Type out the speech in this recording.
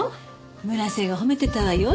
村瀬が褒めてたわよ